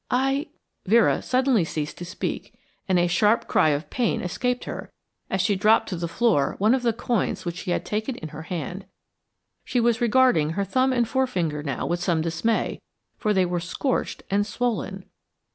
I " Vera suddenly ceased to speak, and a sharp cry of pain escaped her as she dropped to the floor one of the coins which she had taken in her hand. She was regarding her thumb and forefinger now with some dismay, for they were scorched and swollen.